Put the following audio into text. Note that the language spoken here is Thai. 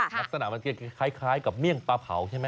ลักษณะมันจะคล้ายกับเมี่ยงปลาเผาใช่ไหม